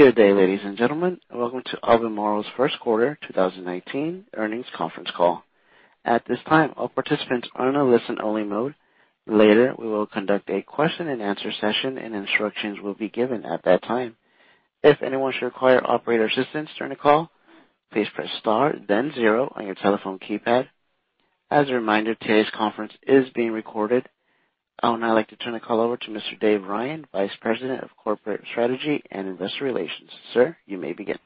Good day, ladies and gentlemen, and welcome to Albemarle's first quarter 2019 earnings conference call. At this time, all participants are in a listen only mode. Later, we will conduct a question and answer session and instructions will be given at that time. If anyone should require operator assistance during the call, please press star then zero on your telephone keypad. As a reminder, today's conference is being recorded. I would now like to turn the call over to Mr. Dave Ryan, Vice President of Corporate Strategy and Investor Relations. Sir, you may begin.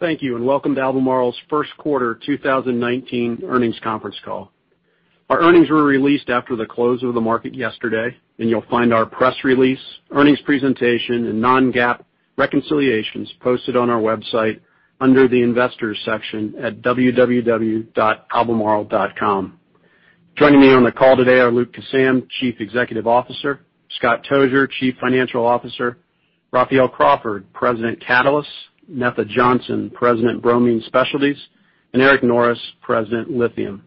Thank you. Welcome to Albemarle's first quarter 2019 earnings conference call. Our earnings were released after the close of the market yesterday. You'll find our press release, earnings presentation, and non-GAAP reconciliations posted on our website under the investors section at www.albemarle.com. Joining me on the call today are Luke Kissam, Chief Executive Officer, Scott Tozier, Chief Financial Officer, Raphael Crawford, President, Catalysts, Netha Johnson, President, Bromine Specialties, and Eric Norris, President, Lithium.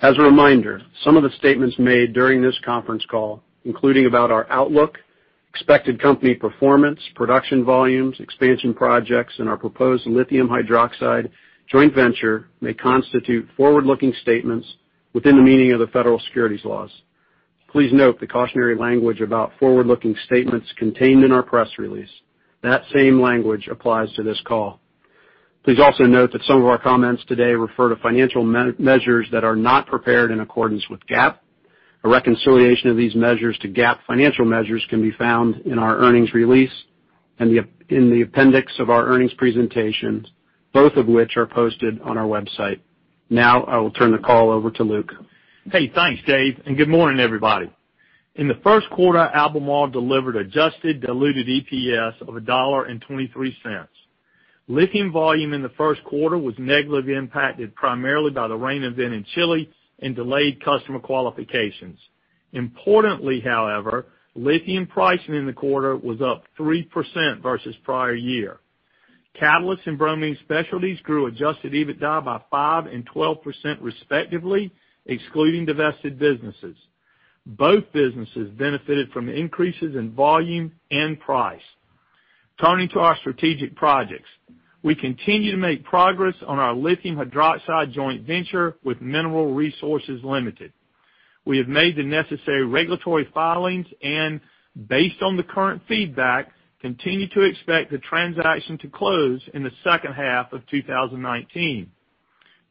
As a reminder, some of the statements made during this conference call, including about our outlook, expected company performance, production volumes, expansion projects, and our proposed lithium hydroxide joint venture, may constitute forward-looking statements within the meaning of the federal securities laws. Please note the cautionary language about forward-looking statements contained in our press release. That same language applies to this call. Please also note that some of our comments today refer to financial measures that are not prepared in accordance with GAAP. A reconciliation of these measures to GAAP financial measures can be found in our earnings release and in the appendix of our earnings presentations, both of which are posted on our website. I will turn the call over to Luke. Hey, thanks, Dave. Good morning, everybody. In the first quarter, Albemarle delivered adjusted diluted EPS of $1.23. Lithium volume in the first quarter was negatively impacted primarily by the rain event in Chile and delayed customer qualifications. Importantly, however, lithium pricing in the quarter was up 3% versus prior year. Catalysts and Bromine Specialties grew adjusted EBITDA by 5% and 12% respectively, excluding divested businesses. Both businesses benefited from increases in volume and price. Turning to our strategic projects. We continue to make progress on our lithium hydroxide joint venture with Mineral Resources Limited. We have made the necessary regulatory filings and based on the current feedback, continue to expect the transaction to close in the second half of 2019.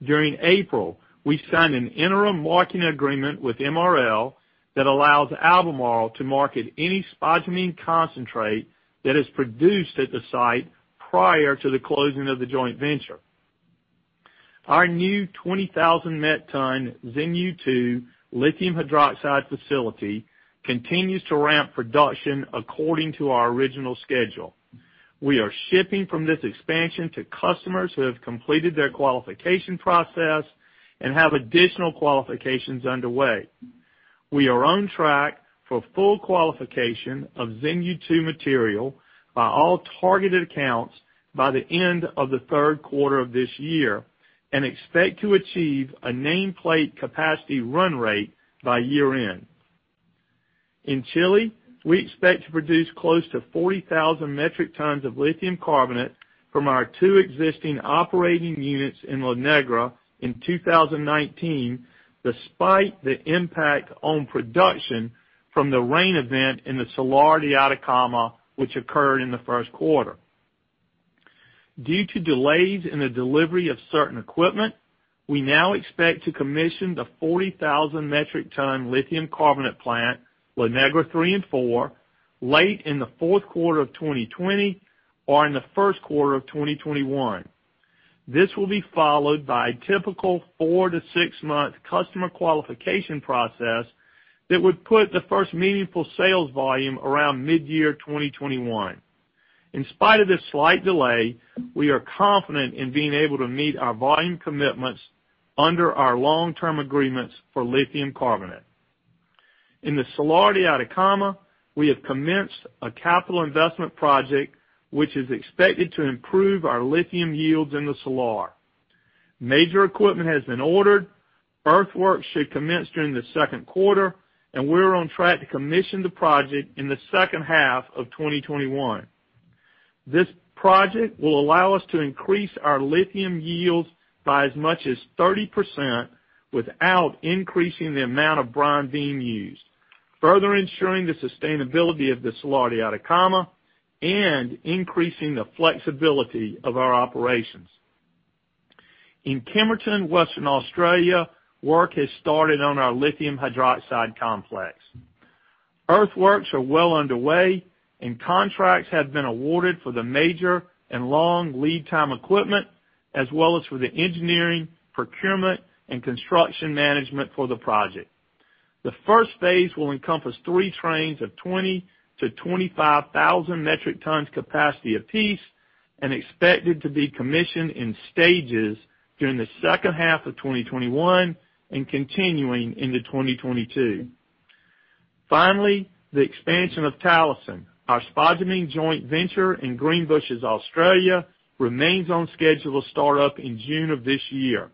During April, we signed an interim marketing agreement with MRL that allows Albemarle to market any spodumene concentrate that is produced at the site prior to the closing of the joint venture. Our new 20,000 metric ton Xinyu 2 lithium hydroxide facility continues to ramp production according to our original schedule. We are shipping from this expansion to customers who have completed their qualification process and have additional qualifications underway. We are on track for full qualification of Xinyu 2 material by all targeted accounts by the end of the third quarter of this year and expect to achieve a nameplate capacity run rate by year-end. In Chile, we expect to produce close to 40,000 metric tons of lithium carbonate from our two existing operating units in La Negra in 2019, despite the impact on production from the rain event in the Salar de Atacama, which occurred in the first quarter. Due to delays in the delivery of certain equipment, we now expect to commission the 40,000 metric ton lithium carbonate plant, La Negra three and four, late in the fourth quarter of 2020 or in the first quarter of 2021. This will be followed by a typical four to six-month customer qualification process that would put the first meaningful sales volume around mid-year 2021. In spite of this slight delay, we are confident in being able to meet our volume commitments under our long-term agreements for lithium carbonate. In the Salar de Atacama, we have commenced a capital investment project which is expected to improve our lithium yields in the Salar. Major equipment has been ordered. Earthwork should commence during the second quarter, and we're on track to commission the project in the second half of 2021. This project will allow us to increase our lithium yields by as much as 30% without increasing the amount of brine being used, further ensuring the sustainability of the Salar de Atacama and increasing the flexibility of our operations. In Kemerton, Western Australia, work has started on our lithium hydroxide complex. Earthworks are well underway and contracts have been awarded for the major and long lead time equipment as well as for the engineering, procurement, and construction management for the project. the first phase will encompass three trains of 20 to 25,000 metric tons capacity apiece and expected to be commissioned in stages during the second half of 2021 and continuing into 2022. The expansion of Talison, our spodumene joint venture in Greenbushes, Australia, remains on schedule to start up in June of this year.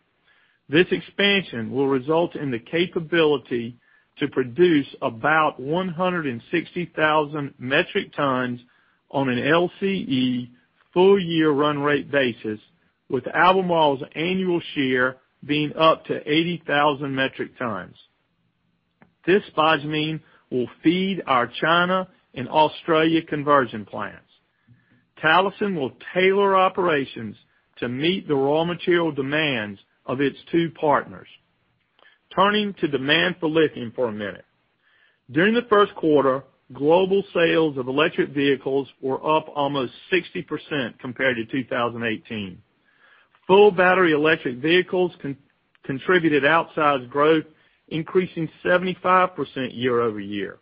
This expansion will result in the capability to produce about 160,000 metric tons on an LCE full year run rate basis, with Albemarle's annual share being up to 80,000 metric tons. This spodumene will feed our China and Australia conversion plants. Talison will tailor operations to meet the raw material demands of its two partners. Turning to demand for lithium for a minute. During the first quarter, global sales of electric vehicles were up almost 60% compared to 2018. Full battery electric vehicles contributed outsized growth, increasing 75% year-over-year.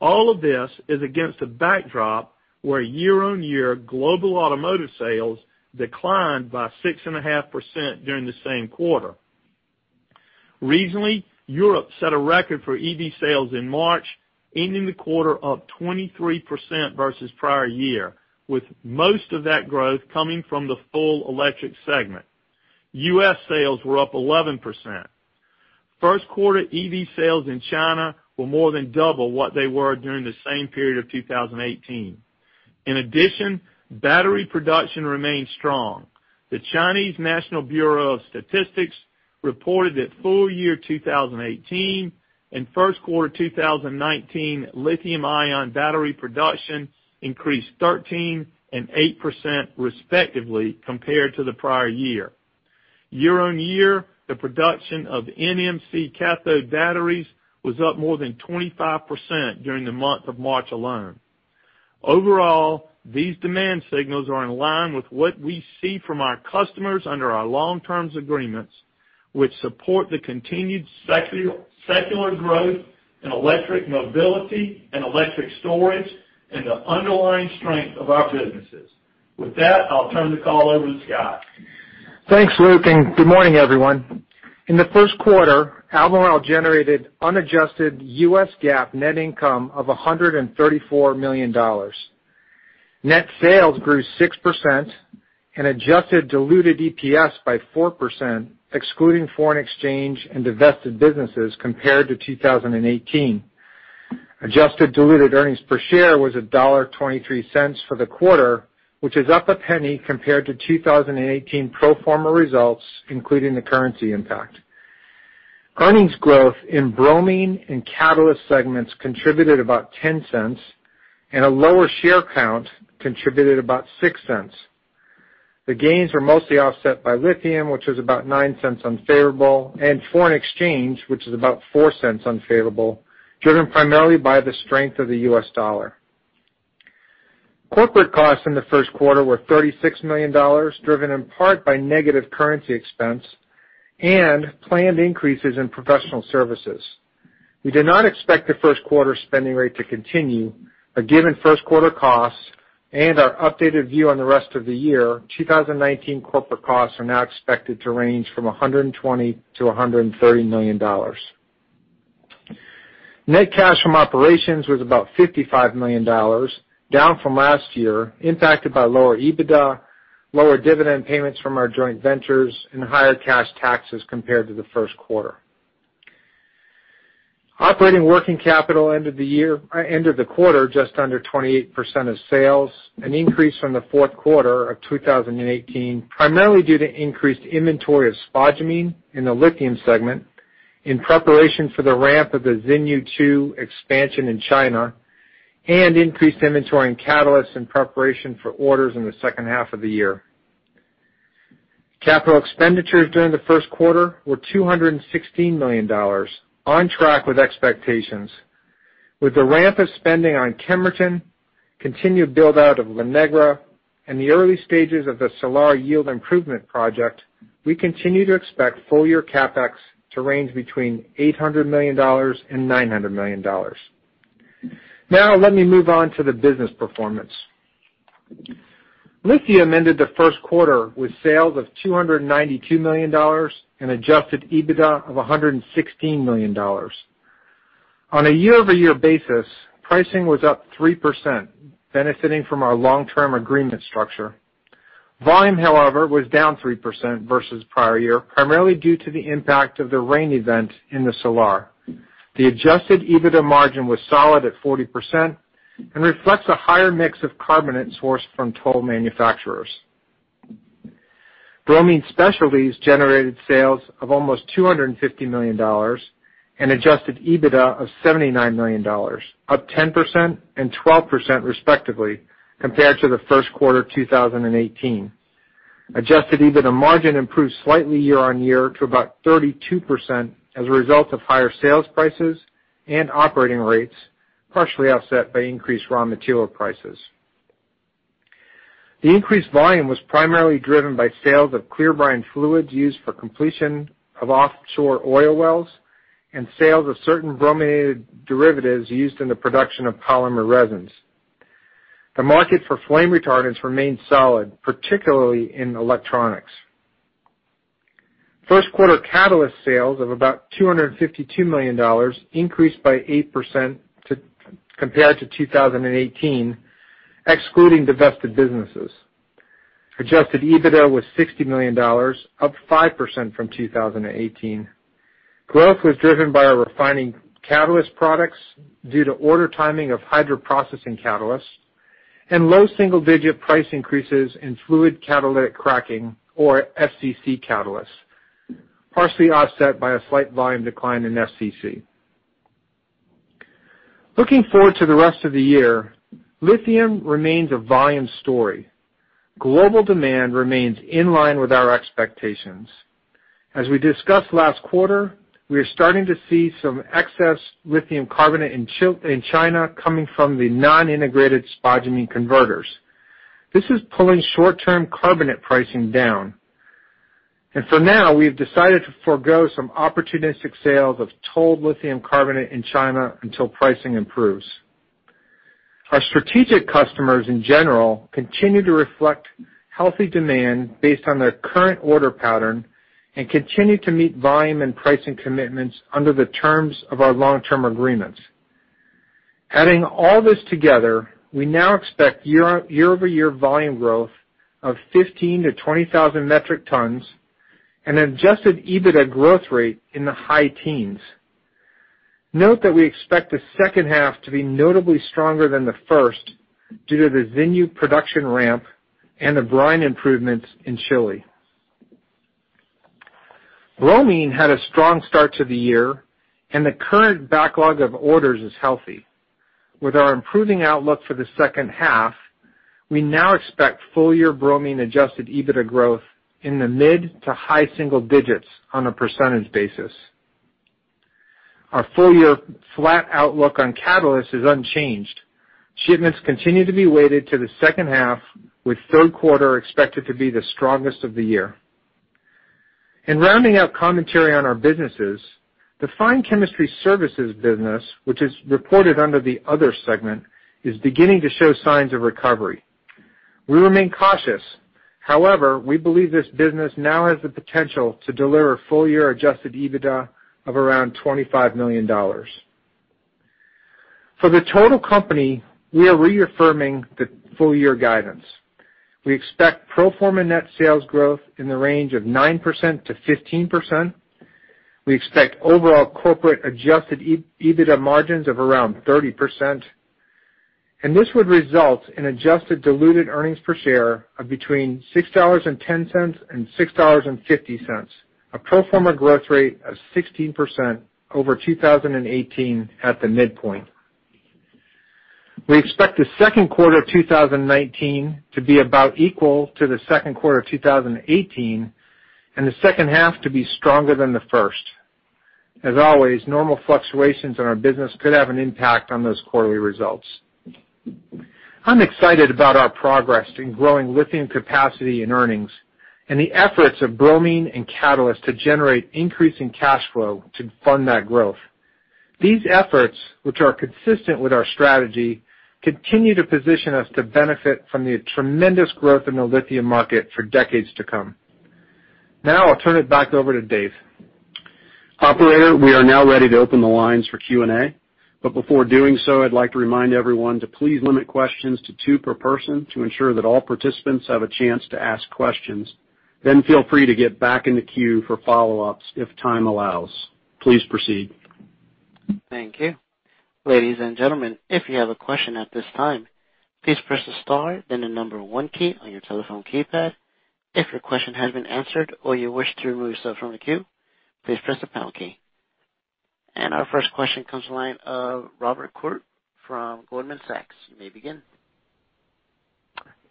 All of this is against a backdrop where year-on-year global automotive sales declined by 6.5% during the same quarter. Recently, Europe set a record for EV sales in March, ending the quarter up 23% versus prior year, with most of that growth coming from the full electric segment. U.S. sales were up 11%. First quarter EV sales in China were more than double what they were during the same period of 2018. In addition, battery production remained strong. The Chinese National Bureau of Statistics reported that full year 2018 and first quarter 2019 lithium-ion battery production increased 13% and 8% respectively compared to the prior year. Year-on-year, the production of NMC cathode batteries was up more than 25% during the month of March alone. Overall, these demand signals are in line with what we see from our customers under our long-term agreements, which support the continued secular growth in electric mobility and electric storage and the underlying strength of our businesses. With that, I'll turn the call over to Scott. Thanks, Luke, and good morning, everyone. In the first quarter, Albemarle generated unadjusted U.S. GAAP net income of $134 million. Net sales grew 6% and adjusted diluted EPS by 4%, excluding foreign exchange and divested businesses compared to 2018. Adjusted diluted earnings per share was $1.23 for the quarter, which is up $0.01 compared to 2018 pro forma results, including the currency impact. Earnings growth in Bromine Specialties and Catalysts segments contributed about $0.10, and a lower share count contributed about $0.06. The gains were mostly offset by lithium, which was about $0.09 unfavorable, and foreign exchange, which is about $0.04 unfavorable, driven primarily by the strength of the U.S. dollar. Corporate costs in the first quarter were $36 million, driven in part by negative currency expense and planned increases in professional services. We do not expect the first quarter spending rate to continue, but given first quarter costs and our updated view on the rest of the year, 2019 corporate costs are now expected to range from $120 million-$130 million. Net cash from operations was about $55 million, down from last year, impacted by lower EBITDA, lower dividend payments from our joint ventures, and higher cash taxes compared to the first quarter. Operating working capital ended the quarter just under 28% of sales, an increase from the fourth quarter of 2018, primarily due to increased inventory of spodumene in the lithium segment in preparation for the ramp of the Xinyu 2 expansion in China and increased inventory in Catalysts in preparation for orders in the second half of the year. Capital expenditures during the first quarter were $216 million, on track with expectations. With the ramp of spending on Kemerton, continued build-out of La Negra, and the early stages of the Salar Yield Improvement project, we continue to expect full-year CapEx to range between $800 million and $900 million. Let me move on to the business performance. Lithium ended the first quarter with sales of $292 million and adjusted EBITDA of $116 million. On a year-over-year basis, pricing was up 3%, benefiting from our long-term agreement structure. Volume, however, was down 3% versus prior year, primarily due to the impact of the rain event in the Salar. The adjusted EBITDA margin was solid at 40% and reflects a higher mix of carbonate sourced from toll manufacturers. Bromine Specialties generated sales of almost $250 million and adjusted EBITDA of $79 million, up 10% and 12% respectively compared to the first quarter 2018. Adjusted EBITDA margin improved slightly year-on-year to about 32% as a result of higher sales prices and operating rates, partially offset by increased raw material prices. The increased volume was primarily driven by sales of clear brine fluids used for completion of offshore oil wells and sales of certain brominated derivatives used in the production of polymer resins. The market for flame retardants remained solid, particularly in electronics. First quarter catalyst sales of about $252 million increased by 8% compared to 2018, excluding divested businesses. Adjusted EBITDA was $60 million, up 5% from 2018. Growth was driven by our refining catalyst products due to order timing of hydroprocessing catalysts and low single-digit price increases in fluid catalytic cracking, or FCC catalysts, partially offset by a slight volume decline in FCC. Looking forward to the rest of the year, lithium remains a volume story. Global demand remains in line with our expectations. As we discussed last quarter, we are starting to see some excess lithium carbonate in China coming from the non-integrated spodumene converters. This is pulling short-term carbonate pricing down. For now, we've decided to forego some opportunistic sales of tolled lithium carbonate in China until pricing improves. Our strategic customers, in general, continue to reflect healthy demand based on their current order pattern and continue to meet volume and pricing commitments under the terms of our long-term agreements. Adding all this together, we now expect year-over-year volume growth of 15,000-20,000 metric tons and an adjusted EBITDA growth rate in the high teens. Note that we expect the second half to be notably stronger than the first due to the Xinyu production ramp and the brine improvements in Chile. Bromine had a strong start to the year, the current backlog of orders is healthy. With our improving outlook for the second half, we now expect full-year bromine adjusted EBITDA growth in the mid to high single digits on a percentage basis. Our full-year flat outlook on catalyst is unchanged. Shipments continue to be weighted to the second half, with third quarter expected to be the strongest of the year. In rounding out commentary on our businesses, the Fine Chemistry Services business, which is reported under the other segment, is beginning to show signs of recovery. We remain cautious. However, we believe this business now has the potential to deliver full-year adjusted EBITDA of around $25 million. For the total company, we are reaffirming the full-year guidance. We expect pro forma net sales growth in the range of 9%-15%. We expect overall corporate adjusted EBITDA margins of around 30%. This would result in adjusted diluted earnings per share of between $6.10 and $6.50, a pro forma growth rate of 16% over 2018 at the midpoint. We expect the second quarter of 2019 to be about equal to the second quarter of 2018 and the second half to be stronger than the first. As always, normal fluctuations in our business could have an impact on those quarterly results. I'm excited about our progress in growing lithium capacity and earnings and the efforts of bromine and catalyst to generate increasing cash flow to fund that growth. These efforts, which are consistent with our strategy, continue to position us to benefit from the tremendous growth in the lithium market for decades to come. I'll turn it back over to Dave. Operator, we are now ready to open the lines for Q&A. Before doing so, I'd like to remind everyone to please limit questions to two per person to ensure that all participants have a chance to ask questions. Feel free to get back in the queue for follow-ups if time allows. Please proceed. Thank you. Ladies and gentlemen, if you have a question at this time, please press the star then the number 1 key on your telephone keypad. If your question has been answered or you wish to remove yourself from the queue, please press the pound key. Our first question comes the line of Robert Koort from Goldman Sachs. You may begin.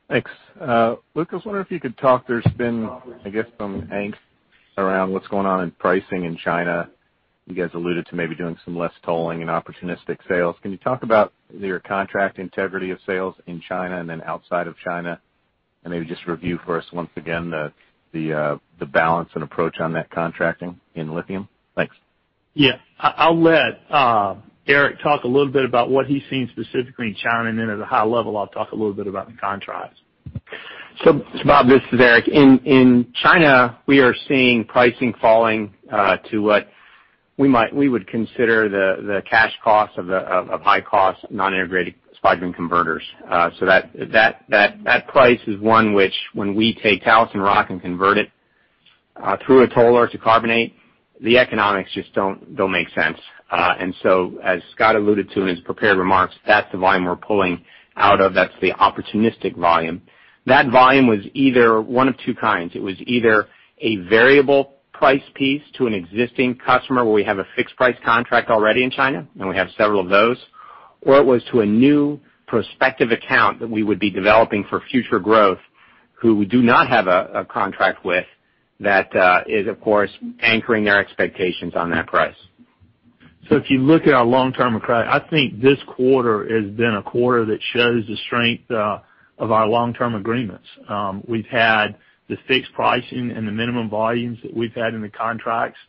Thanks. Luke, I was wondering if you could talk, there's been, I guess, some angst around what's going on in pricing in China. You guys alluded to maybe doing some less tolling and opportunistic sales. Can you talk about your contract integrity of sales in China and then outside of China? Maybe just review for us once again the balance and approach on that contracting in lithium. Thanks. Yeah. I'll let Eric talk a little bit about what he's seeing specifically in China. Then at a high level, I'll talk a little bit about the contracts. Bob, this is Eric. In China, we are seeing pricing falling to what we would consider the cash cost of high cost non-integrated spodumene converters. That price is one which when we take Talison rock and convert it through a toll or to carbonate, the economics just don't make sense. As Scott alluded to in his prepared remarks, that's the volume we're pulling out of. That's the opportunistic volume. That volume was either one of two kinds. It was either a variable price piece to an existing customer where we have a fixed price contract already in China, we have several of those, or it was to a new prospective account that we would be developing for future growth who we do not have a contract with. That is of course anchoring their expectations on that price. If you look at our long-term contract, I think this quarter has been a quarter that shows the strength of our long-term agreements. We've had the fixed pricing and the minimum volumes that we've had in the contracts.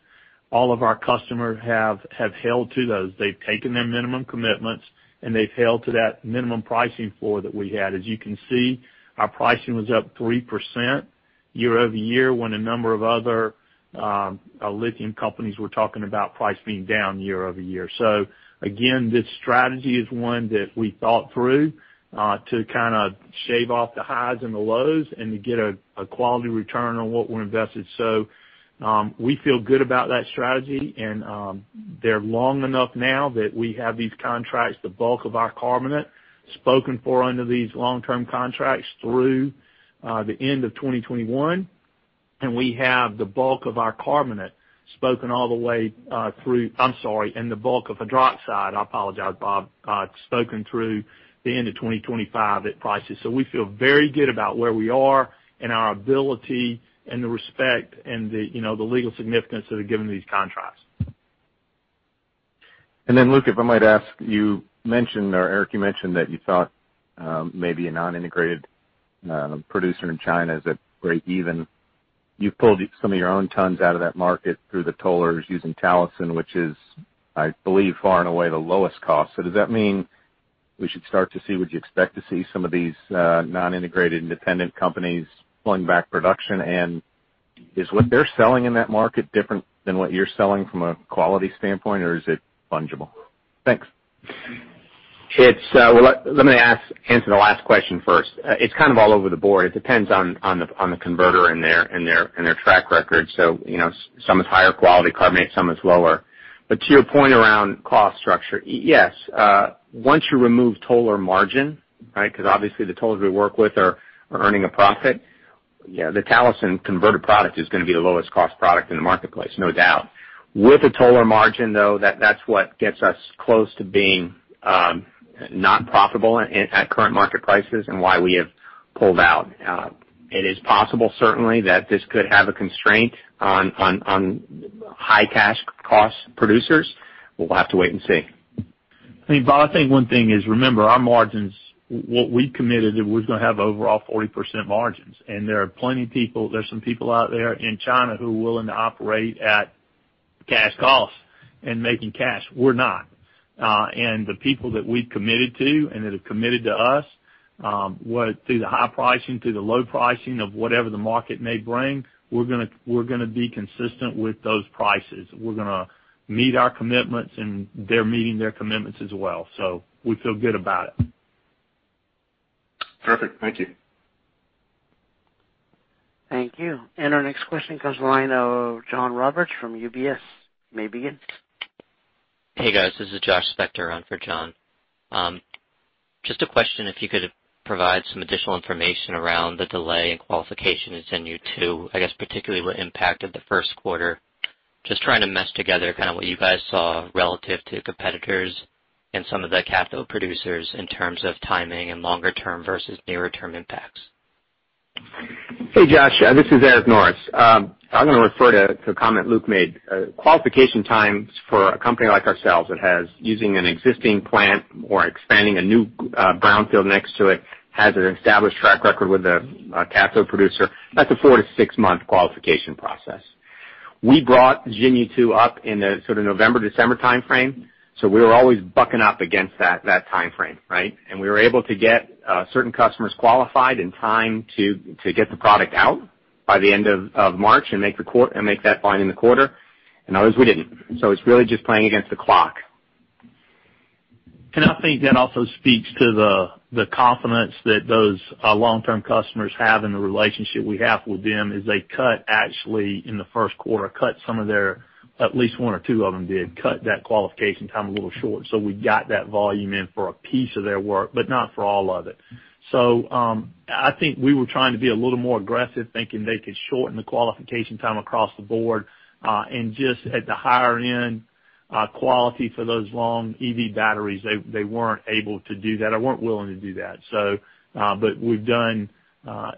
All of our customers have held to those. They've taken their minimum commitments, and they've held to that minimum pricing floor that we had. As you can see, our pricing was up 3%. Year-over-year when a number of other lithium companies were talking about price being down year-over-year. Again, this strategy is one that we thought through to shave off the highs and the lows and to get a quality return on what we're invested. We feel good about that strategy, and they're long enough now that we have these contracts, the bulk of our carbonate spoken for under these long-term contracts through the end of 2021. We have the bulk of our carbonate spoken all the way through. I'm sorry, and the bulk of hydroxide, I apologize, Bob, spoken through the end of 2025 at prices. We feel very good about where we are and our ability and the respect and the legal significance that are given these contracts. Luke, if I might ask, you mentioned, or Eric, you mentioned that you thought maybe a non-integrated producer in China is at breakeven. You've pulled some of your own tons out of that market through the tollers using Talison, which is, I believe, far and away the lowest cost. Does that mean we should start to see, would you expect to see some of these non-integrated independent companies pulling back production? Is what they're selling in that market different than what you're selling from a quality standpoint, or is it fungible? Thanks. Let me answer the last question first. It's kind of all over the board. It depends on the converter and their track record. Some is higher quality carbonate, some is lower. To your point around cost structure, yes. Once you remove toller margin, right? Because obviously the tollers we work with are earning a profit. The Talison converted product is going to be the lowest cost product in the marketplace, no doubt. With a toller margin, though, that's what gets us close to being not profitable at current market prices and why we have pulled out. It is possible, certainly, that this could have a constraint on high cash cost producers. We'll have to wait and see. I mean, Bob, I think one thing is, remember, our margins, what we committed that we're going to have overall 40% margins, there are plenty people, there's some people out there in China who are willing to operate at cash costs and making cash. We're not. The people that we've committed to and that have committed to us, through the high pricing, through the low pricing of whatever the market may bring, we're going to be consistent with those prices. We're going to meet our commitments, and they're meeting their commitments as well. We feel good about it. Perfect. Thank you. Thank you. Our next question comes the line of John Roberts from UBS. You may begin. Hey, guys, this is Joshua Spector on for John. Just a question, if you could provide some additional information around the delay in qualification at Xinyu 2, I guess particularly what impacted the first quarter. Just trying to mesh together what you guys saw relative to competitors and some of the cathode producers in terms of timing and longer-term versus nearer-term impacts. Hey, Josh, this is Eric Norris. I'm going to refer to the comment Luke made. Qualification times for a company like ourselves that has using an existing plant or expanding a new brownfield next to it, has an established track record with a cathode producer, that's a four to six-month qualification process. We brought Xinyu 2 up in the sort of November, December timeframe, so we were always bucking up against that timeframe, right? We were able to get certain customers qualified in time to get the product out by the end of March and make that bind in the quarter, and others we didn't. It's really just playing against the clock. I think that also speaks to the confidence that those long-term customers have and the relationship we have with them, is they cut actually in the first quarter, at least one or two of them did cut that qualification time a little short. We got that volume in for a piece of their work, but not for all of it. I think we were trying to be a little more aggressive, thinking they could shorten the qualification time across the board, and just at the higher end quality for those long EV batteries, they weren't able to do that or weren't willing to do that.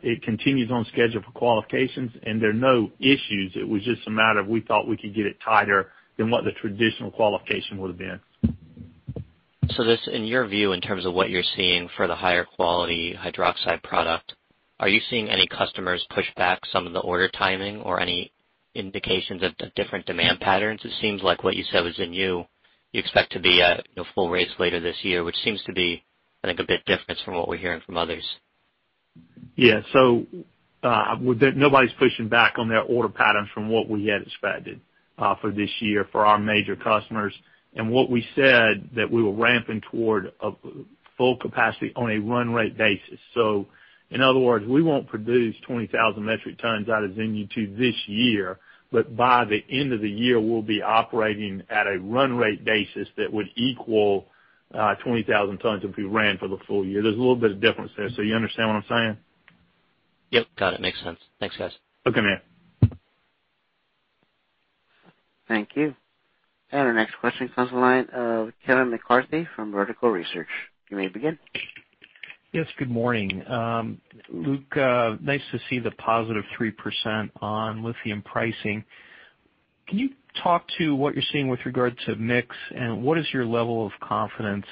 It continues on schedule for qualifications, and there are no issues. It was just a matter of we thought we could get it tighter than what the traditional qualification would have been. This, in your view, in terms of what you're seeing for the higher quality hydroxide product, are you seeing any customers push back some of the order timing or any indications of different demand patterns? It seems like what you said was Xinyu you expect to be at full rates later this year, which seems to be, I think, a bit different from what we're hearing from others. Yeah. Nobody's pushing back on their order patterns from what we had expected for this year for our major customers. What we said that we were ramping toward a full capacity on a run rate basis. In other words, we won't produce 20,000 metric tons out of Xinyu 2 this year, but by the end of the year, we'll be operating at a run rate basis that would equal 20,000 tons if we ran for the full year. There's a little bit of difference there. You understand what I'm saying? Yep. Got it. Makes sense. Thanks, guys. Okay, man. Thank you. Our next question comes from the line of Kevin McCarthy from Vertical Research. You may begin. Yes, good morning. Luke, nice to see the positive 3% on lithium pricing. Can you talk to what you're seeing with regard to mix, and what is your level of confidence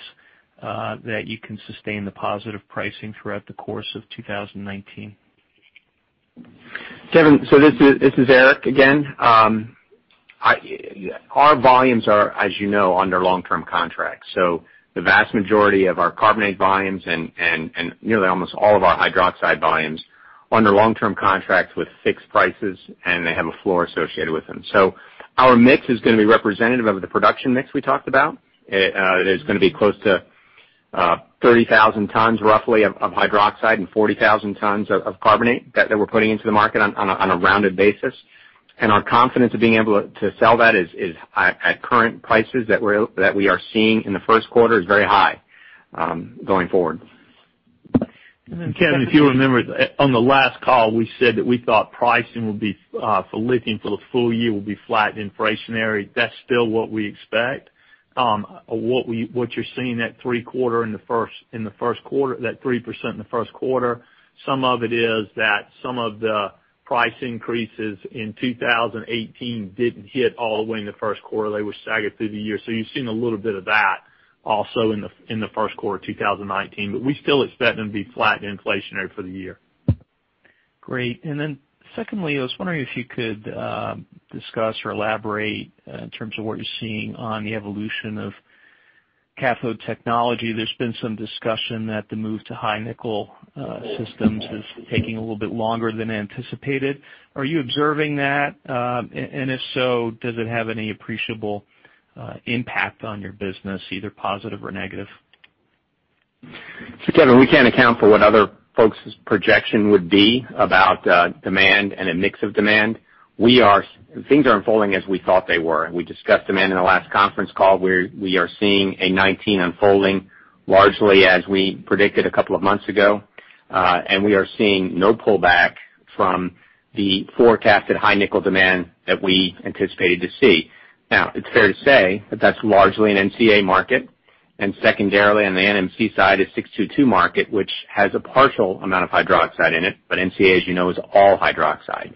that you can sustain the positive pricing throughout the course of 2019? Kevin, this is Eric again. Our volumes are, as you know, under long-term contracts. The vast majority of our carbonate volumes and nearly almost all of our hydroxide volumes are under long-term contracts with fixed prices, and they have a floor associated with them. Our mix is going to be representative of the production mix we talked about. It is going to be close to 30,000 tons roughly of hydroxide and 40,000 tons of carbonate that we're putting into the market on a rounded basis. Our confidence of being able to sell that is at current prices that we are seeing in the first quarter is very high going forward. Kevin, if you remember on the last call, we said that we thought pricing for lithium for the full year will be flat inflationary. That's still what we expect. What you're seeing that 3% in the first quarter, some of it is that some of the price increases in 2018 didn't hit all the way in the first quarter. They were staggered through the year. You've seen a little bit of that also in the first quarter of 2019, but we still expect them to be flat to inflationary for the year. Great. Secondly, I was wondering if you could discuss or elaborate in terms of what you're seeing on the evolution of cathode technology. There's been some discussion that the move to high nickel systems is taking a little bit longer than anticipated. Are you observing that? If so, does it have any appreciable impact on your business, either positive or negative? Kevin, we can't account for what other folks' projection would be about demand and a mix of demand. Things are unfolding as we thought they were. We discussed demand in the last conference call, where we are seeing a 2019 unfolding largely as we predicted a couple of months ago. We are seeing no pullback from the forecasted high nickel demand that we anticipated to see. Now, it's fair to say that that's largely an NCA market and secondarily on the NMC side, a 622 market, which has a partial amount of hydroxide in it. But NCA, as you know, is all hydroxide.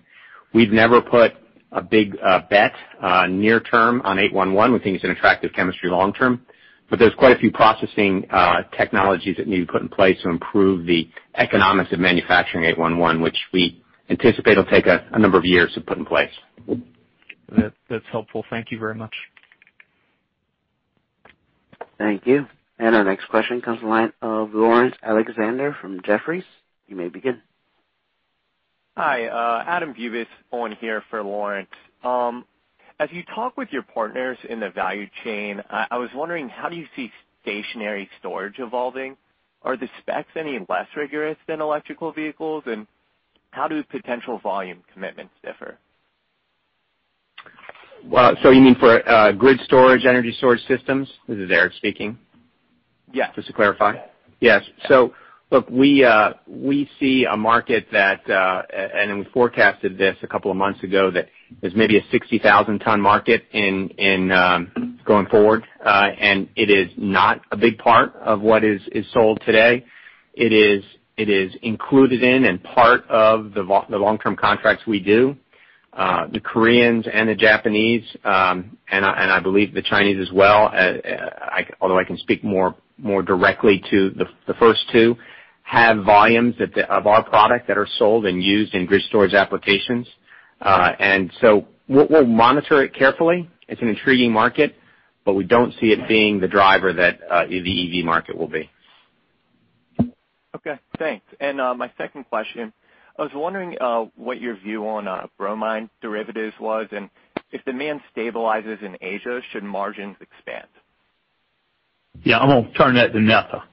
We've never put a big bet near term on 811. We think it's an attractive chemistry long term, there's quite a few processing technologies that need to be put in place to improve the economics of manufacturing 811, which we anticipate will take a number of years to put in place. That's helpful. Thank you very much. Thank you. Our next question comes the line of Laurence Alexander from Jefferies. You may begin. Hi, Adam Bubes on here for Laurence. As you talk with your partners in the value chain, I was wondering, how do you see stationary storage evolving? Are the specs any less rigorous than electrical vehicles? How do potential volume commitments differ? You mean for grid storage, energy storage systems? This is Eric speaking. Yeah. Just to clarify. Yes. Look, we see a market that, and we forecasted this a couple of months ago, that there's maybe a 60,000-ton market going forward. It is not a big part of what is sold today. It is included in and part of the long-term contracts we do. The Koreans and the Japanese, and I believe the Chinese as well, although I can speak more directly to the first two, have volumes of our product that are sold and used in grid storage applications. We'll monitor it carefully. It's an intriguing market, but we don't see it being the driver that the EV market will be. Okay, thanks. My second question, I was wondering what your view on bromine derivatives was, and if demand stabilizes in Asia, should margins expand? I'm going to turn that to Netha.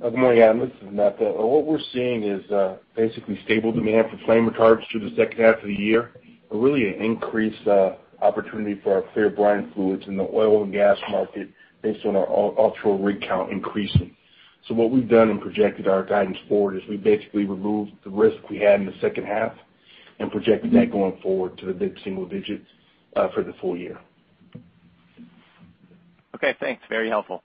Good morning, Adam. This is Netha. What we're seeing is basically stable demand for flame retardants through the second half of the year, but really an increased opportunity for our clear brine fluids in the oil and gas market based on our offshore rig count increasing. What we've done and projected our guidance forward is we basically removed the risk we had in the second half and projected that going forward to the mid-single digits for the full year. Okay, thanks. Very helpful.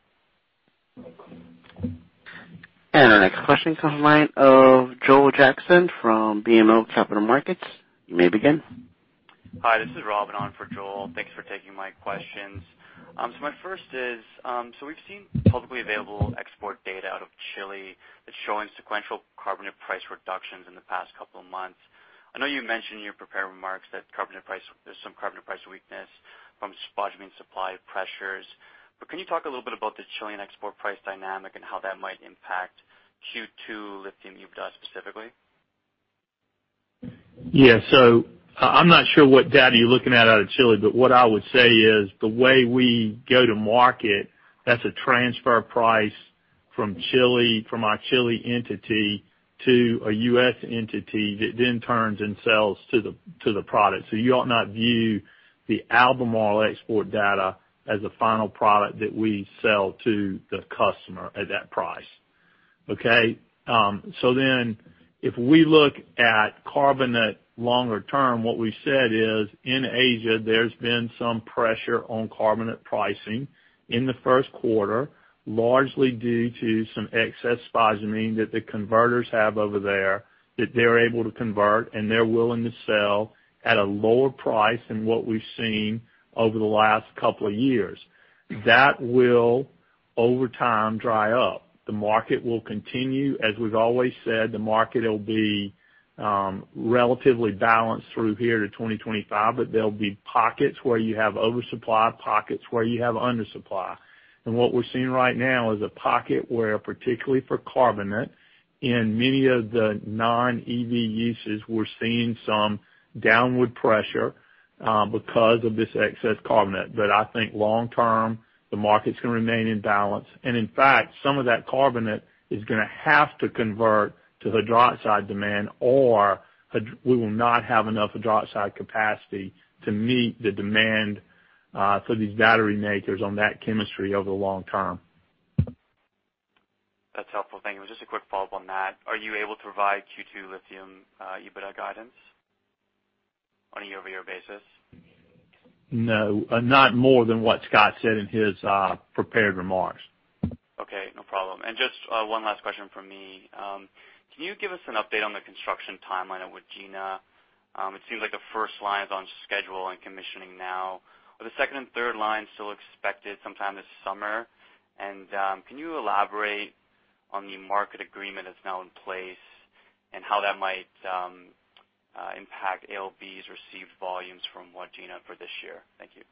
Our next question comes in the line of Joel Jackson from BMO Capital Markets. You may begin. Hi, this is Robin on for Joel. Thanks for taking my questions. My first is, we've seen publicly available export data out of Chile that's showing sequential carbonate price reductions in the past couple of months. I know you mentioned in your prepared remarks that there's some carbonate price weakness from spodumene supply pressures, but can you talk a little bit about the Chilean export price dynamic and how that might impact Q2 lithium UTIC specifically? Yeah. I'm not sure what data you're looking at out of Chile, but what I would say is the way we go to market, that's a transfer price from our Chile entity to a U.S. entity that then turns and sells to the product. You ought not view the Albemarle export data as the final product that we sell to the customer at that price. Okay? If we look at carbonate longer term, what we've said is in Asia, there's been some pressure on carbonate pricing in the first quarter, largely due to some excess spodumene that the converters have over there that they're able to convert, and they're willing to sell at a lower price than what we've seen over the last couple of years. That will over time dry up. The market will continue, as we've always said, the market will be relatively balanced through here to 2025, there'll be pockets where you have oversupply, pockets where you have undersupply. What we're seeing right now is a pocket where, particularly for carbonate in many of the non-EV uses, we're seeing some downward pressure because of this excess carbonate. I think long term, the market's going to remain in balance. In fact, some of that carbonate is going to have to convert to hydroxide demand, or we will not have enough hydroxide capacity to meet the demand for these battery makers on that chemistry over the long term. That's helpful. Thank you. Just a quick follow-up on that. Are you able to provide Q2 lithium EBITDA guidance on a year-over-year basis? No, not more than what Scott said in his prepared remarks. Okay, no problem. Just one last question from me. Can you give us an update on the construction timeline with Wodgina? It seems like the first line is on schedule and commissioning now. Are the second and third line still expected sometime this summer? Can you elaborate on the market agreement that's now in place and how that might impact ALB's received volumes from Wodgina for this year? Thank you.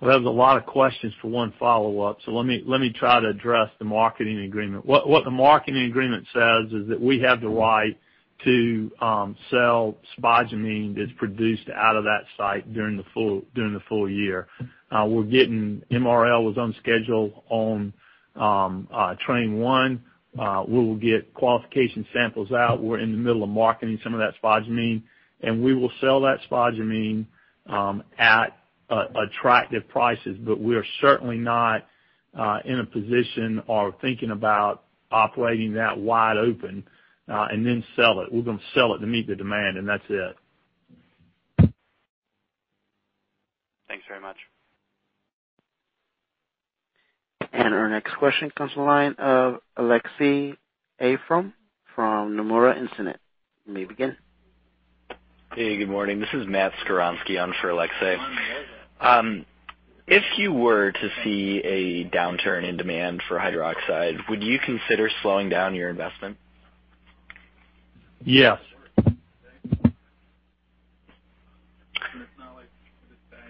That was a lot of questions for one follow-up. Let me try to address the marketing agreement. What the marketing agreement says is that we have the right to sell spodumene that's produced out of that site during the full year. MRL was on schedule on train one. We will get qualification samples out. We're in the middle of marketing some of that spodumene, and we will sell that spodumene at attractive prices. We're certainly not in a position or thinking about operating that wide open and then sell it. We're going to sell it to meet the demand and that's it. Thanks very much. Our next question comes from the line of Aleksey Yefremov from Nomura Instinet. You may begin. Hey, good morning. This is Matthew Skowronski on for Aleksey. If you were to see a downturn in demand for hydroxide, would you consider slowing down your investment? Yes.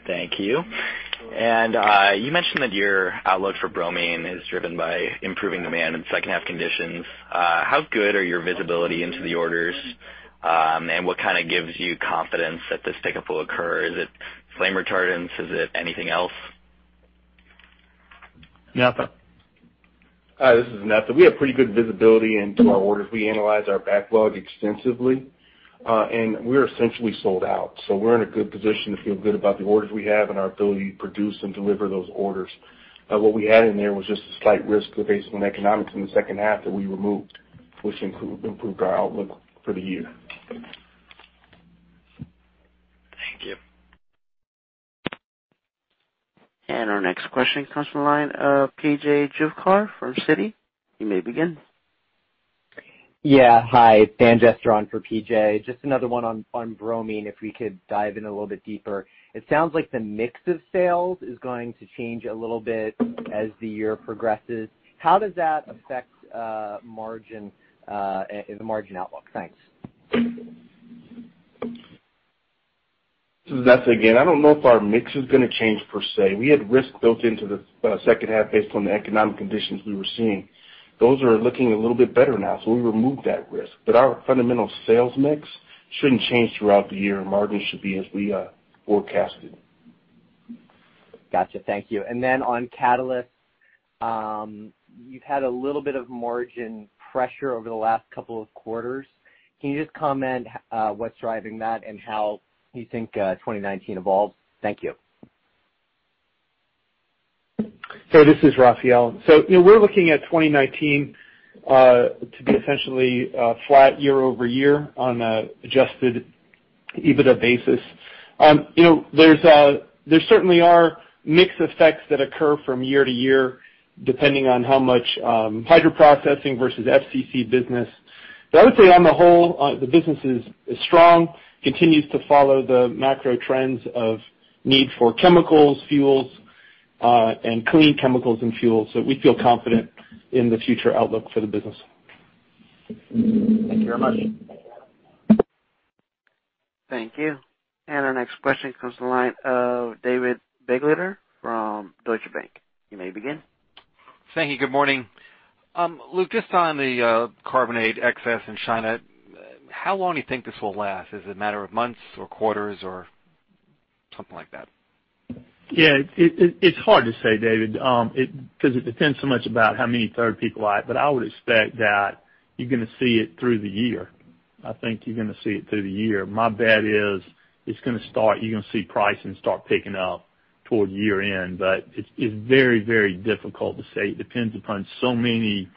Thank you. You mentioned that your outlook for bromine is driven by improving demand and second half conditions. How good are your visibility into the orders? What kind of gives you confidence that this pickup will occur? Is it flame retardants? Is it anything else? Netha. Hi, this is Netha. We have pretty good visibility into our orders. We analyze our backlog extensively. We're essentially sold out. We're in a good position to feel good about the orders we have and our ability to produce and deliver those orders. What we had in there was just a slight risk based on economics in the second half that we removed, which improved our outlook for the year. Thank you. Our next question comes from the line of P.J. Juvekar from Citi. You may begin. Yeah. Hi, it's Daniel Jester on for P.J. Just another one on bromine, if we could dive in a little bit deeper. It sounds like the mix of sales is going to change a little bit as the year progresses. How does that affect margin, and the margin outlook? Thanks. This is Netha again. I don't know if our mix is going to change per se. We had risk built into the second half based on the economic conditions we were seeing. Those are looking a little bit better now. We removed that risk, but our fundamental sales mix shouldn't change throughout the year, and margins should be as we forecasted. Got you. Thank you. On catalyst, you've had a little bit of margin pressure over the last couple of quarters. Can you just comment on what's driving that and how you think 2019 evolved? Thank you. This is Raphael. We're looking at 2019 to be essentially flat year-over-year on adjusted EBITDA basis. There certainly are mix effects that occur from year to year depending on how much hydroprocessing versus FCC business. I would say on the whole, the business is strong, continues to follow the macro trends of need for chemicals, fuels, and clean chemicals and fuels. We feel confident in the future outlook for the business. Thank you very much. Thank you. Our next question comes from the line of David Begleiter from Deutsche Bank. You may begin. Thank you. Good morning. Luke, just on the carbonate excess in China, how long you think this will last? Is it a matter of months or quarters or something like that? Yeah. It's hard to say, David, because it depends so much about how many third parties, but I would expect that you're going to see it through the year. I think you're going to see it through the year. My bet is it's going to you're going to see pricing start picking up toward year-end, but it's very, very difficult to say. It depends upon so many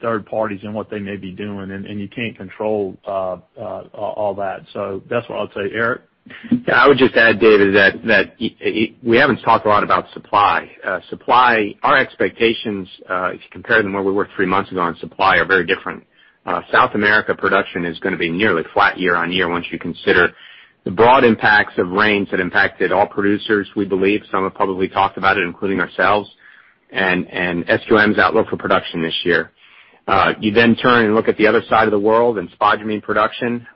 third parties and what they may be doing, and you can't control all that. That's what I'll say. Eric? Yeah, I would just add, David, that we haven't talked a lot about supply. Supply, our expectations, if you compare them where we were three months ago on supply, are very different. South America production is going to be nearly flat year-on-year once you consider the broad impacts of rains that impacted all producers, we believe. Some have probably talked about it, including ourselves, and SQM's outlook for production this year. You then turn and look at the other side of the world, and spodumene production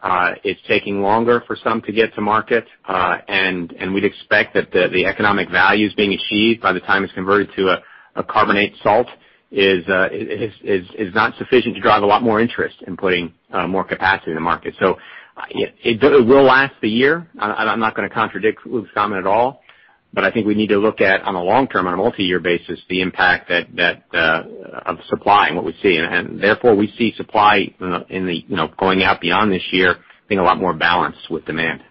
is taking longer for some to get to market. We'd expect that the economic values being achieved by the time it's converted to a carbonate salt is not sufficient to drive a lot more interest in putting more capacity in the market. It will last the year. I'm not going to contradict Luke's comment at all, but I think we need to look at on a long-term, on a multi-year basis, the impact of supply and what we see. Therefore, we see supply going out beyond this year being a lot more balanced with demand.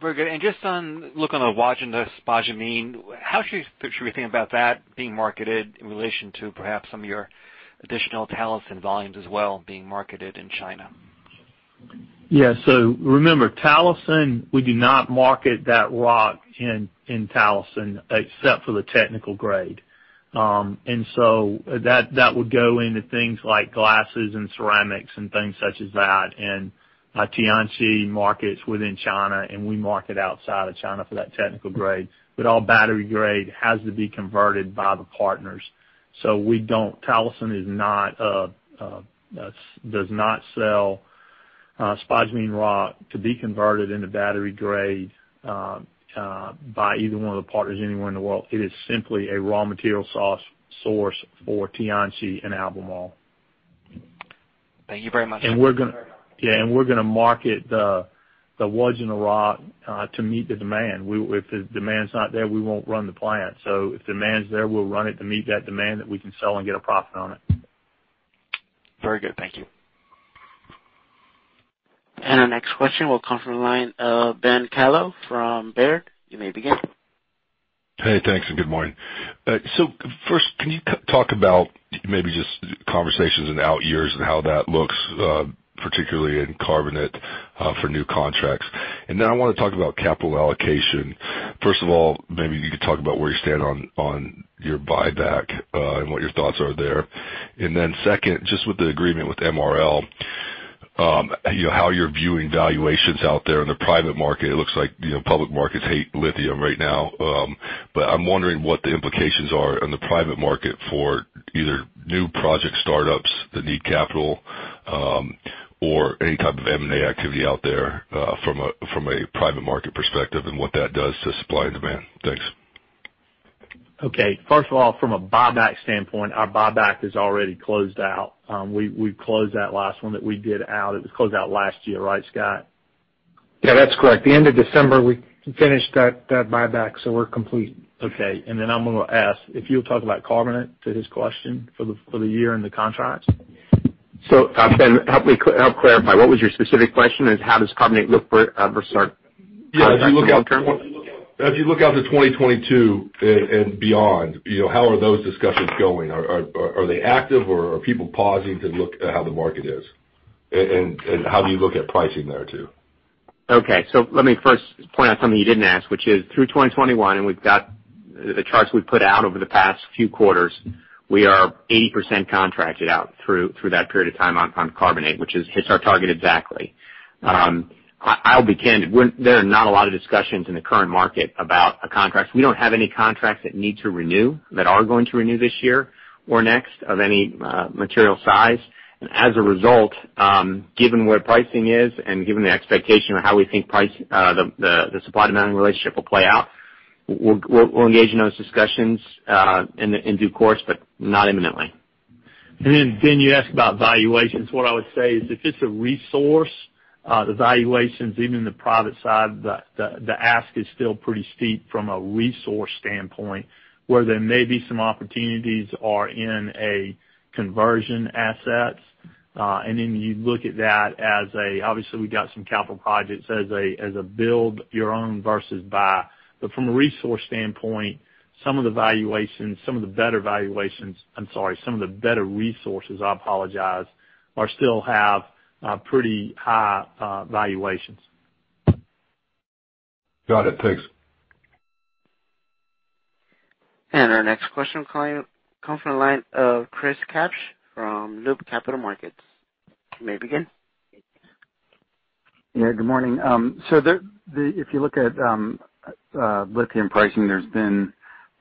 Very good. Just on look on the Wodgina spodumene, how should we think about that being marketed in relation to perhaps some of your additional Talison volumes as well being marketed in China? Yeah. Remember, Talison, we do not market that rock in Talison except for the technical grade. That would go into things like glasses and ceramics and things such as that, and Tianqi markets within China, and we market outside of China for that technical grade. All battery grade has to be converted by the partners. Talison does not sell spodumene rock to be converted into battery grade, by either one of the partners anywhere in the world. It is simply a raw material source for Tianqi and Albemarle. Thank you very much. Yeah. We're going to market the Wodgina rock to meet the demand. If the demand's not there, we won't run the plant. If demand's there, we'll run it to meet that demand that we can sell and get a profit on it. Very good. Thank you. Our next question will come from the line of Ben Kallo from Baird. You may begin. Hey, thanks and good morning. First, can you talk about maybe just conversations in out years and how that looks, particularly in carbonate for new contracts? Now I want to talk about capital allocation. First of all, maybe you could talk about where you stand on your buyback, and what your thoughts are there. Then second, just with the agreement with MRL, how you're viewing valuations out there in the private market. It looks like public markets hate lithium right now. I'm wondering what the implications are in the private market for either new project startups that need capital, or any type of M&A activity out there from a private market perspective and what that does to supply and demand. Thanks. Okay. First of all, from a buyback standpoint, our buyback is already closed out. We've closed that last one that we did out. It was closed out last year, right, Scott? Yeah, that's correct. The end of December, we finished that buyback, so we're complete. I'm going to ask if you'll talk about carbonate to his question for the year and the contracts. Ben, help clarify. What was your specific question is how does carbonate look for contracts for long term? Yeah. As you look out to 2022 and beyond, how are those discussions going? Are they active or are people pausing to look at how the market is? How do you look at pricing there too? Okay. Let me first point out something you didn't ask, which is through 2021, and we've got the charts we've put out over the past few quarters. We are 80% contracted out through that period of time on carbonate, which hits our target exactly. I'll be candid. There are not a lot of discussions in the current market about a contract. We don't have any contracts that need to renew, that are going to renew this year or next of any material size. As a result, given where pricing is and given the expectation of how we think the supply and demanding relationship will play out, we'll engage in those discussions in due course, but not imminently. Then Ben, you asked about valuations. What I would say is if it's a resource, the valuations, even in the private side, the ask is still pretty steep from a resource standpoint, where there may be some opportunities are in a conversion assets. Then you look at that as a, obviously, we've got some capital projects as a build your own versus buy. From a resource standpoint, some of the better resources are still have pretty high valuations. Got it. Thanks. Our next question comes from the line of Chris Kapsch from Loop Capital Markets. You may begin. Yeah, good morning. If you look at lithium pricing,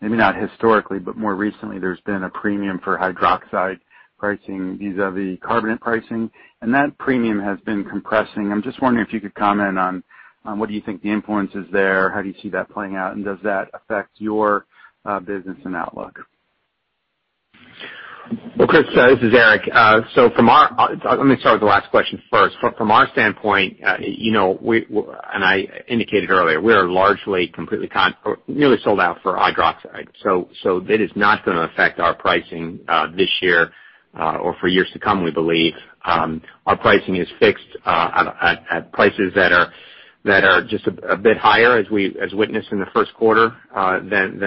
maybe not historically, but more recently, there's been a premium for hydroxide pricing vis-a-vis carbonate pricing, and that premium has been compressing. I'm just wondering if you could comment on what do you think the influence is there, how do you see that playing out, and does that affect your business and outlook? Well, Chris, this is Eric. Let me start with the last question first. From our standpoint, I indicated earlier, we are largely nearly sold out for hydroxide. That is not going to affect our pricing this year or for years to come, we believe. Our pricing is fixed at prices that are just a bit higher as witnessed in the first quarter than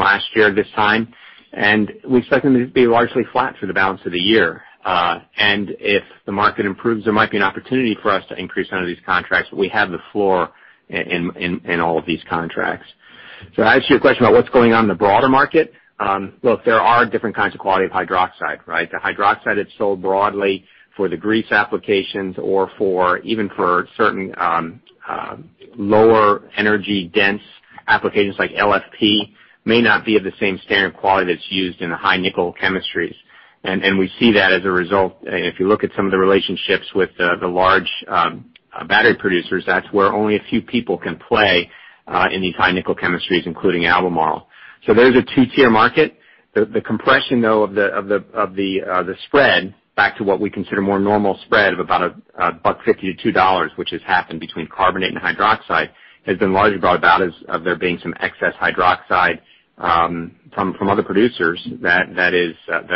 last year this time. We expect them to be largely flat for the balance of the year. If the market improves, there might be an opportunity for us to increase some of these contracts, but we have the floor in all of these contracts. I asked you a question about what's going on in the broader market. Look, there are different kinds of quality of hydroxide, right? The hydroxide that's sold broadly for the grease applications or even for certain lower energy dense applications like LFP, may not be of the same standard quality that's used in the high nickel chemistries. We see that as a result. If you look at some of the relationships with the large battery producers, that's where only a few people can play, in these high nickel chemistries, including Albemarle. There's a two-tier market. The compression, though, of the spread back to what we consider more normal spread of about $1.50-$2, which has happened between carbonate and hydroxide, has been largely about that as of there being some excess hydroxide from other producers that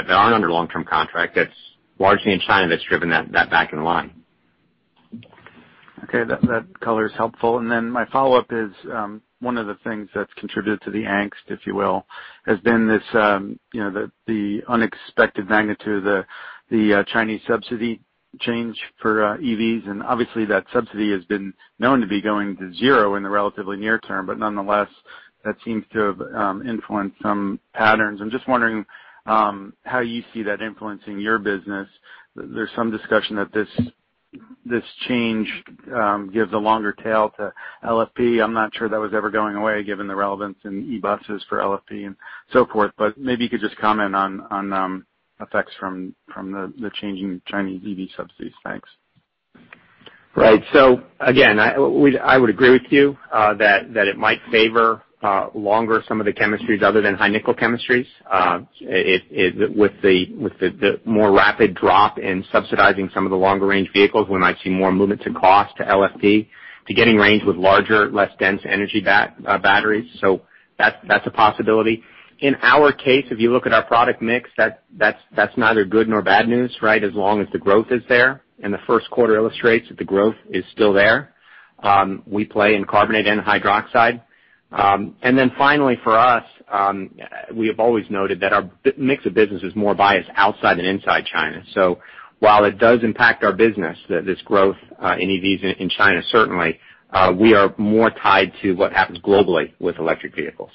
aren't under long-term contract, that's largely in China, that's driven that back in line. Okay, that color is helpful. My follow-up is, one of the things that's contributed to the angst, if you will, has been the unexpected magnitude of the Chinese subsidy change for EVs. Obviously that subsidy has been known to be going to zero in the relatively near term, but nonetheless, that seems to have influenced some patterns. I'm just wondering how you see that influencing your business. There's some discussion that this change gives a longer tail to LFP. I'm not sure that was ever going away, given the relevance in e-buses for LFP and so forth. Maybe you could just comment on effects from the changing Chinese EV subsidies. Thanks. Right. Again, I would agree with you that it might favor longer some of the chemistries other than high nickel chemistries. With the more rapid drop in subsidizing some of the longer range vehicles, we might see more movement in cost to LFP to getting range with larger, less dense energy batteries. That's a possibility. In our case, if you look at our product mix, that's neither good nor bad news, right? As long as the growth is there, and the first quarter illustrates that the growth is still there. We play in carbonate and hydroxide. Finally, for us, we have always noted that our mix of business is more biased outside than inside China. While it does impact our business, this growth in EVs in China, certainly, we are more tied to what happens globally with electric vehicles.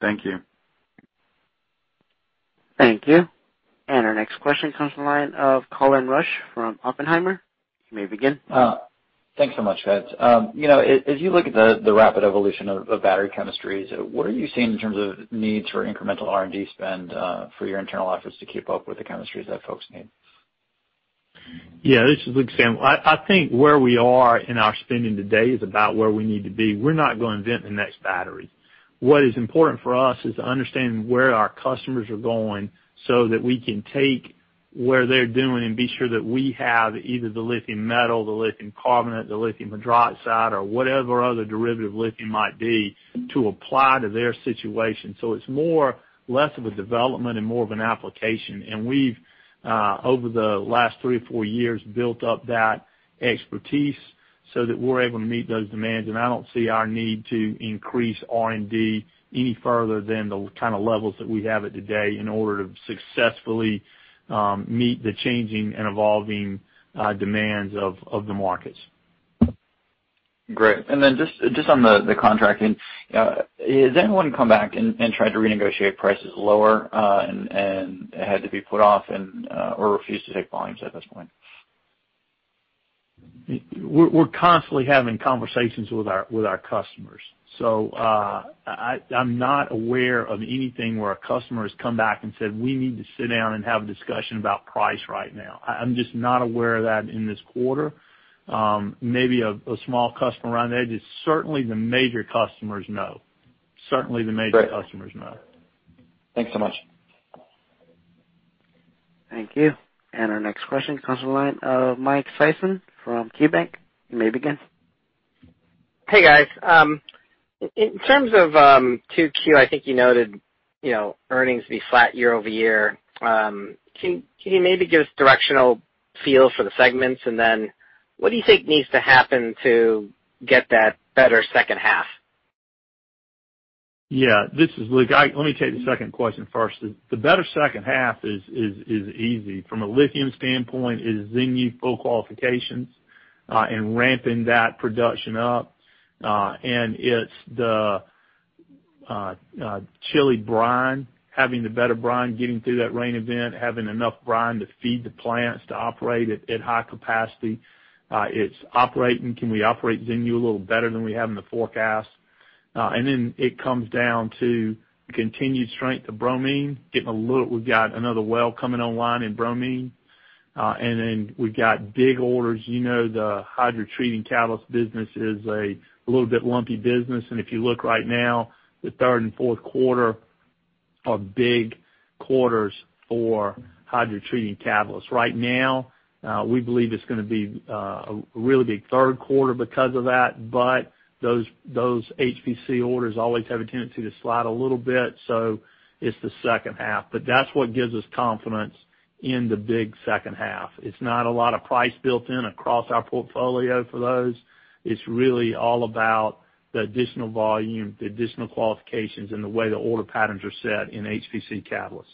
Thank you. Thank you. Our next question comes from the line of Colin Rusch from Oppenheimer. You may begin. Thanks so much, guys. As you look at the rapid evolution of battery chemistries, what are you seeing in terms of needs for incremental R&D spend for your internal efforts to keep up with the chemistries that folks need? Yeah, this is Luke Kissam. I think where we are in our spending today is about where we need to be. We're not going to invent the next battery. What is important for us is to understand where our customers are going so that we can take where they're doing and be sure that we have either the lithium metal, the lithium carbonate, the lithium hydroxide or whatever other derivative lithium might be to apply to their situation. It's less of a development and more of an application. We've, over the last three or four years, built up that expertise so that we're able to meet those demands. I don't see our need to increase R&D any further than the kind of levels that we have at today in order to successfully meet the changing and evolving demands of the markets. Great. Just on the contracting, has anyone come back and tried to renegotiate prices lower and had to be put off or refuse to take volumes at this point? We're constantly having conversations with our customers. I'm not aware of anything where a customer has come back and said, "We need to sit down and have a discussion about price right now." I'm just not aware of that in this quarter. Maybe a small customer on the edge. It's certainly the major customers, no. Certainly the major customers, no. Thanks so much. Thank you. Our next question comes from the line of Mike Sison from KeyBanc. You may begin. Hey, guys. In terms of 2Q, I think you noted earnings to be flat year-over-year. What do you think needs to happen to get that better second half? Yeah, this is Luke. Let me take the second question first. The better second half is easy. From a lithium standpoint, it is Xinyu full qualifications and ramping that production up. It's the Chile brine, having the better brine, getting through that rain event, having enough brine to feed the plants to operate at high capacity. It's operating. Can we operate Xinyu a little better than we have in the forecast? It comes down to the continued strength of bromine. We've got another well coming online in bromine. We've got big orders. You know the hydrotreating catalyst business is a little bit lumpy business. If you look right now, the third and fourth quarter are big quarters for hydrotreating catalysts. Right now, we believe it's going to be a really big third quarter because of that. Those HPC orders always have a tendency to slide a little bit, it's the second half. That's what gives us confidence in the big second half. It's not a lot of price built in across our portfolio for those. It's really all about the additional volume, the additional qualifications, and the way the order patterns are set in HPC Catalysts.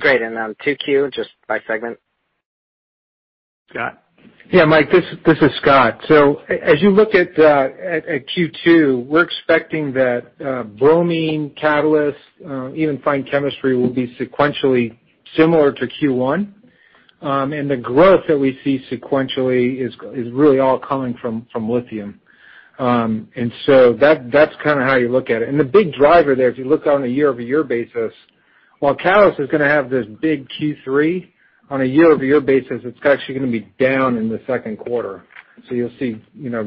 Great. On 2Q, just by segment? Scott? Yeah, Mike, this is Scott. As you look at Q2, we're expecting that Bromine, Catalysts, even Fine Chemistry will be sequentially similar to Q1. The growth that we see sequentially is really all coming from Lithium. That's kind of how you look at it. The big driver there, if you look on a year-over-year basis, while Catalysts is going to have this big Q3, on a year-over-year basis, it's actually going to be down in the second quarter. You'll see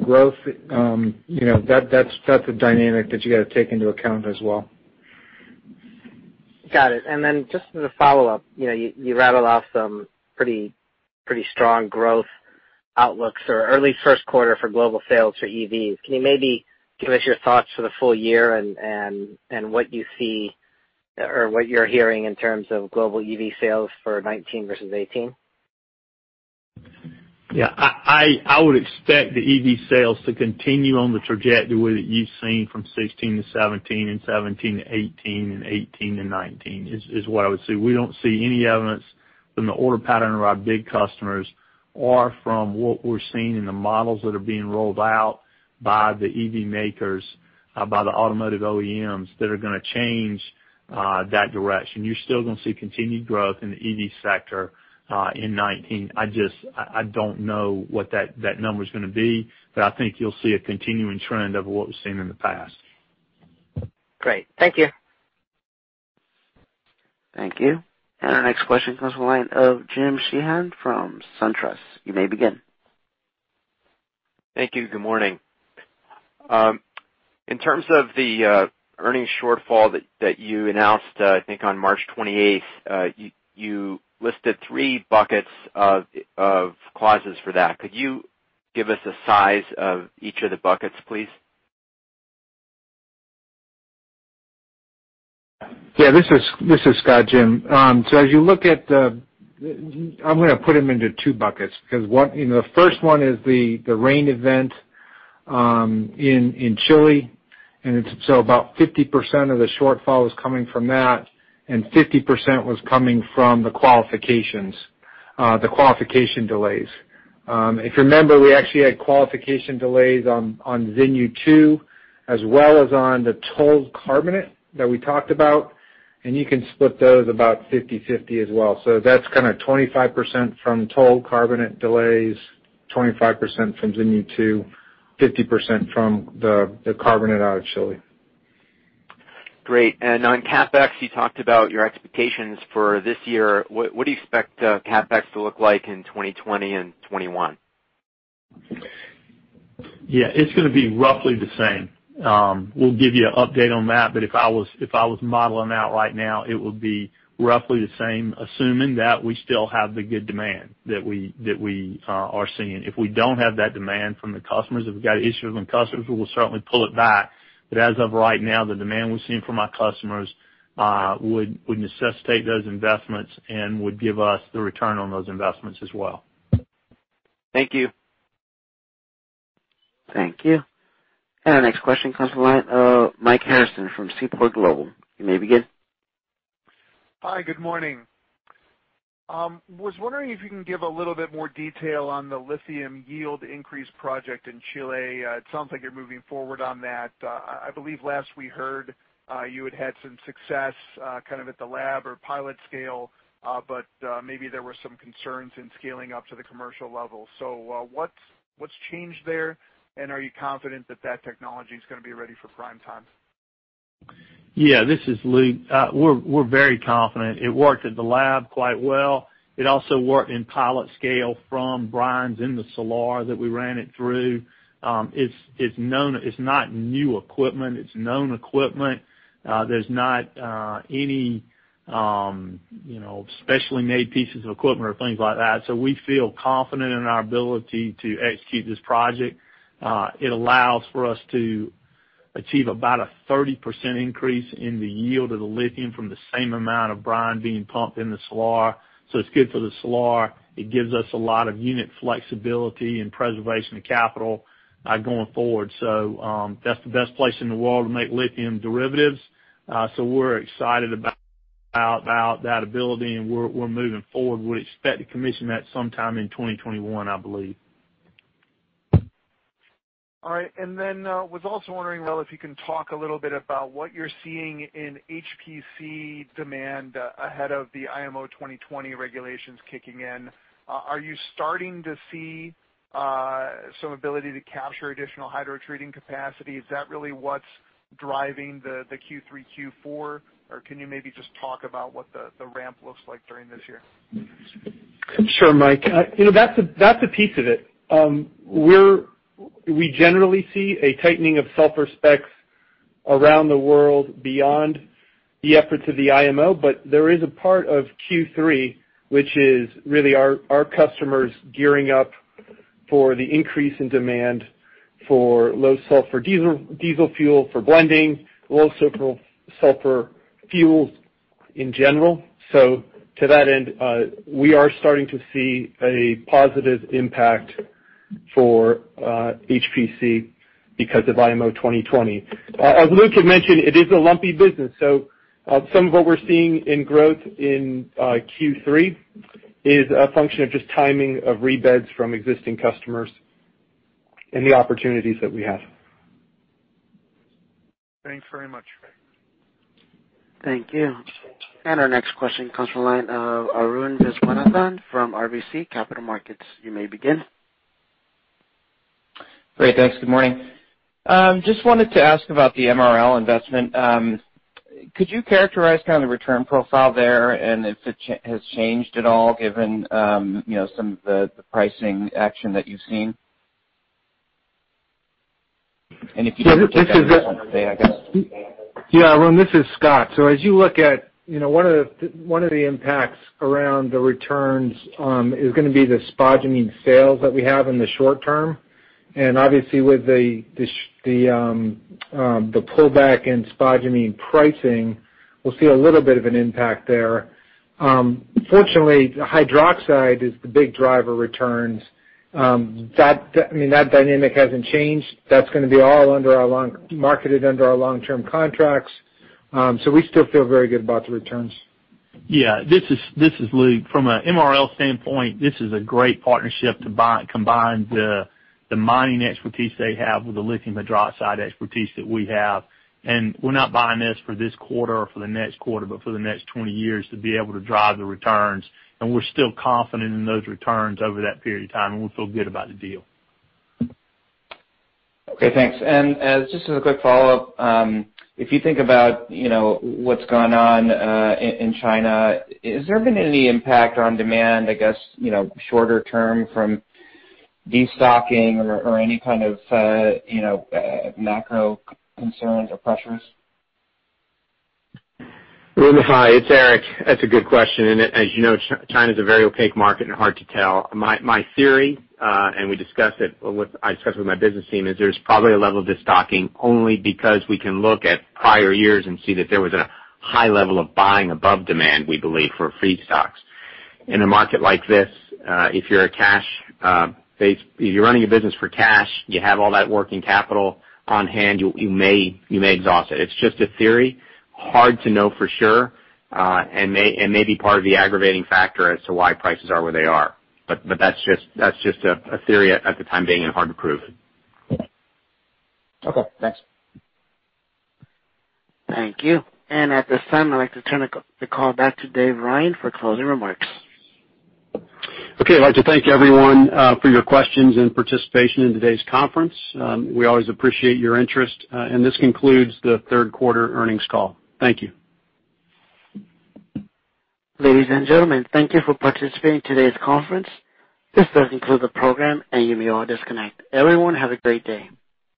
growth. That's a dynamic that you got to take into account as well. Got it. Just as a follow-up, you rattled off some pretty strong growth outlooks for early first quarter for global sales for EVs. Can you maybe give us your thoughts for the full year and what you see or what you're hearing in terms of global EV sales for 2019 versus 2018? I would expect the EV sales to continue on the trajectory that you've seen from 2016 to 2017, and 2017 to 2018, and 2018 to 2019, is what I would say. We don't see any evidence from the order pattern of our big customers or from what we're seeing in the models that are being rolled out by the EV makers, by the automotive OEMs, that are going to change that direction. You're still going to see continued growth in the EV sector in 2019. I don't know what that number's going to be, but I think you'll see a continuing trend of what was seen in the past. Great. Thank you. Thank you. Our next question comes from the line of James Sheehan from SunTrust. You may begin. Thank you. Good morning. In terms of the earnings shortfall that you announced, I think, on March 28th, you listed three buckets of causes for that. Could you give us a size of each of the buckets, please? Yeah. This is Scott Tozier, James Sheehan. As you look at the I'm going to put them into two buckets, because the first one is the rain event in Chile. About 50% of the shortfall was coming from that, and 50% was coming from the qualifications, the qualification delays. If you remember, we actually had qualification delays on Xinyu 2, as well as on the tolled carbonate that we talked about, and you can split those about 50/50 as well. That's kind of 25% from tolled carbonate delays, 25% from Xinyu 2, 50% from the carbonate out of Chile. Great. On CapEx, you talked about your expectations for this year. What do you expect CapEx to look like in 2020 and 2021? Yeah. It's going to be roughly the same. We'll give you an update on that, but if I was modeling out right now, it would be roughly the same, assuming that we still have the good demand that we are seeing. If we don't have that demand from the customers, if we've got issues with customers, we will certainly pull it back. As of right now, the demand we're seeing from our customers would necessitate those investments and would give us the return on those investments as well. Thank you. Thank you. Our next question comes from the line of Michael Harrison from Seaport Global. You may begin. Hi. Good morning. I was wondering if you can give a little bit more detail on the lithium yield increase project in Chile. It sounds like you're moving forward on that. I believe last we heard, you had had some success kind of at the lab or pilot scale, but maybe there were some concerns in scaling up to the commercial level. What's changed there, and are you confident that technology is going to be ready for prime time? Yeah. This is Luke. We're very confident. It worked at the lab quite well. It also worked in pilot scale from brines in the salar that we ran it through. It's not new equipment. It's known equipment. There's not any specially made pieces of equipment or things like that. We feel confident in our ability to execute this project. It allows for us to achieve about a 30% increase in the yield of the lithium from the same amount of brine being pumped in the salar. It's good for the salar. It gives us a lot of unit flexibility and preservation of capital going forward. That's the best place in the world to make lithium derivatives. We're excited about that ability, and we're moving forward. We expect to commission that sometime in 2021, I believe. All right. I was also wondering, well, if you can talk a little bit about what you're seeing in HPC demand ahead of the IMO 2020 regulations kicking in. Are you starting to see some ability to capture additional hydrotreating capacity? Is that really what's driving the Q3, Q4, or can you maybe just talk about what the ramp looks like during this year? Sure, Mike. That's a piece of it. We generally see a tightening of sulfur specs around the world beyond the efforts of the IMO, but there is a part of Q3 which is really our customers gearing up for the increase in demand for low sulfur diesel fuel for blending, low sulfur fuels in general. To that end, we are starting to see a positive impact for HPC because of IMO 2020. As Luke had mentioned, it is a lumpy business, some of what we're seeing in growth in Q3 is a function of just timing of rebeds from existing customers and the opportunities that we have. Thanks very much. Thank you. Our next question comes from the line of Arun Viswanathan from RBC Capital Markets. You may begin. Great. Thanks. Good morning. Just wanted to ask about the MRL investment. Could you characterize the return profile there and if it has changed at all given some of the pricing action that you've seen? If you can take that one, Dave, I guess. Yeah, Arun, this is Scott. As you look at one of the impacts around the returns is going to be the spodumene sales that we have in the short term. Obviously with the pullback in spodumene pricing, we'll see a little bit of an impact there. Fortunately, hydroxide is the big driver returns. That dynamic hasn't changed. That's going to be all marketed under our long-term contracts. We still feel very good about the returns. Yeah, this is Luke. From an MRL standpoint, this is a great partnership to combine the mining expertise they have with the lithium hydroxide expertise that we have. We're not buying this for this quarter or for the next quarter, but for the next 20 years to be able to drive the returns. We're still confident in those returns over that period of time, and we feel good about the deal. Okay, thanks. Just as a quick follow-up, if you think about what's gone on in China, has there been any impact on demand, I guess, shorter term from destocking or any kind of macro concerns or pressures? Arun, hi, it's Eric. That's a good question. As you know, China's a very opaque market and hard to tell. My theory, and I discussed it with my business team, is there's probably a level of destocking only because we can look at prior years and see that there was a high level of buying above demand, we believe, for feedstocks. In a market like this, if you're running a business for cash, you have all that working capital on hand, you may exhaust it. It's just a theory. Hard to know for sure. May be part of the aggravating factor as to why prices are where they are. That's just a theory at the time being and hard to prove. Okay, thanks. Thank you. At this time, I'd like to turn the call back to Dave Ryan for closing remarks. Okay. I'd like to thank everyone for your questions and participation in today's conference. We always appreciate your interest. This concludes the third quarter earnings call. Thank you. Ladies and gentlemen, thank you for participating in today's conference. This does conclude the program, and you may all disconnect. Everyone, have a great day.